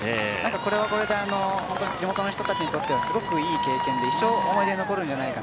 これはこれで地元の人たちにとってすごくいい経験で一生残るんじゃないか